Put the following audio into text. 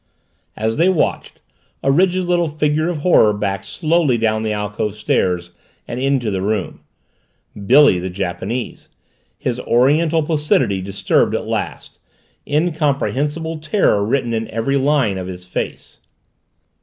As they watched, a rigid little figure of horror backed slowly down the alcove stairs and into the room Billy, the Japanese, his Oriental placidity disturbed at last, incomprehensible terror written in every line of his face.